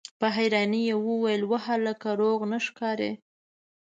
په حيرانۍ يې وويل: وه هلکه! روغ نه ښکارې!